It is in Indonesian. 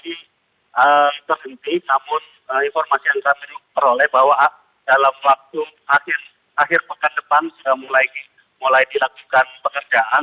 kita sendiri namun informasi yang kita teroleh bahwa dalam waktu akhir pekan depan sudah mulai dilakukan pekerjaan